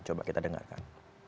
coba kita dengarkan